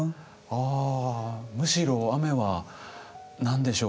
あむしろ雨は何でしょう